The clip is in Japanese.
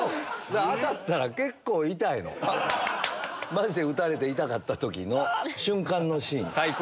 マジで撃たれて痛かった時の瞬間のシーン。